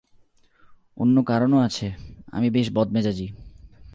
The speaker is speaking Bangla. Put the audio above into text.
অন্য কারণও আছে, আমি বেশ বদমেজাজি।